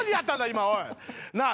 今おいなぁ